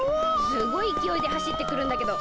すごいいきおいではしってくるんだけど。